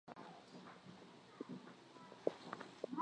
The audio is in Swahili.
Mwezi Mei, kumi na tano elfu moja mia tisa sitini na sita